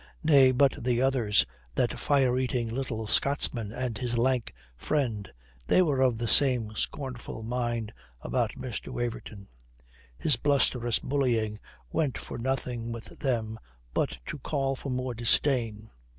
Nay, but the others, that fire eating little Scotsman and his lank friend, they were of the same scornful mind about Mr. Waverton. His blusterous bullying went for nothing with them but to call for more disdain.